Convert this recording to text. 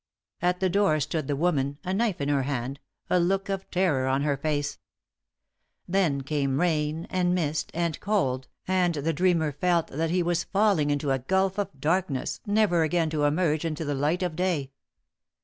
At the door stood the woman, a knife in her hand, a look of terror on her face. Then came rain, and mist, and cold, and the dreamer felt that he was falling into a gulf of darkness, never again to emerge into the light of day.